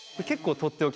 とっておき！